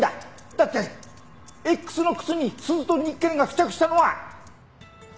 だってＸの靴にスズとニッケルが付着したのは。